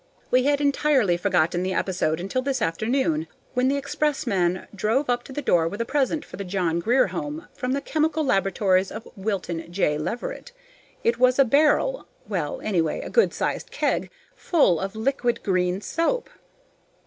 We had entirely forgotten the episode until this afternoon, when the expressman drove up to the door with a present for the John Grier Home from the chemical laboratories of Wilton J. Leverett. It was a barrel well, anyway, a good sized keg full of liquid green soap!